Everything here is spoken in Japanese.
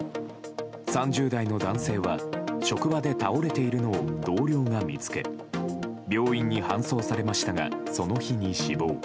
３０代の男性は職場で倒れているのを同僚が見つけ病院に搬送されましたがその日に死亡。